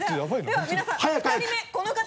では皆さん２人目この方！